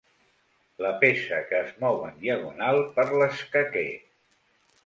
La peça que es mou en diagonal per l'escaquer.